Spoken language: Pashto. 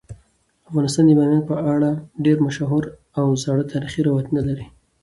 افغانستان د بامیان په اړه ډیر مشهور او زاړه تاریخی روایتونه لري.